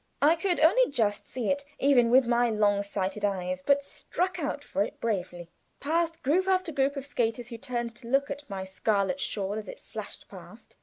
I could only just see it, even with my long sighted eyes, but struck out for it bravely. Past group after group of the skaters who turned to look at my scarlet shawl as it flashed past.